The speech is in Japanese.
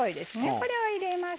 これを入れます。